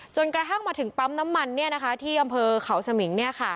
กระทั่งมาถึงปั๊มน้ำมันที่อำเภอเขาสมิง